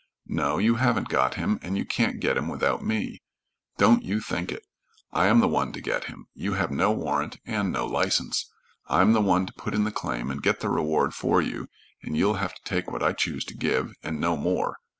"No, you haven't got him, and you can't get him without me. Don't you think it. I am the one to get him. You have no warrant and no license. I'm the one to put in the claim and get the reward for you, and you'll have to take what I choose to give, and no more.